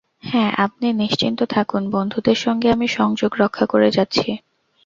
হ্যাঁ, আপনি নিশ্চিন্ত থাকুন, বন্ধুদের সঙ্গে আমি সংযোগ রক্ষা করে যাচ্ছি।